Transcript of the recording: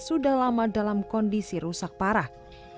selama dalam kondisi rusak parah